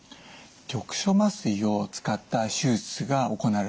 局所麻酔を使った手術が行われることが多いです。